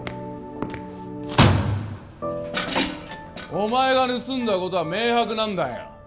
お前が盗んだことは明白なんだよ